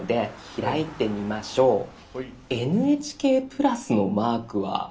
「ＮＨＫプラス」のマークは。